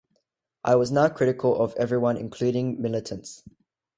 I was now critical of everyone including militants.